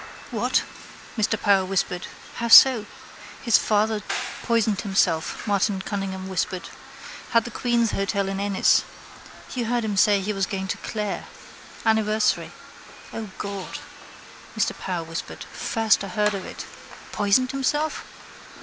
—What? Mr Power whispered. How so? —His father poisoned himself, Martin Cunningham whispered. Had the Queen's hotel in Ennis. You heard him say he was going to Clare. Anniversary. —O God! Mr Power whispered. First I heard of it. Poisoned himself?